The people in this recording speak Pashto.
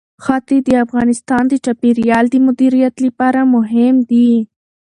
ښتې د افغانستان د چاپیریال د مدیریت لپاره مهم دي.